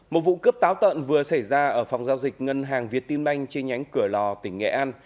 một vụ cướp táo tận vừa xảy ra ở phòng giao dịch ngân hàng việt tim banh trên nhánh cửa lò tỉnh nghệ an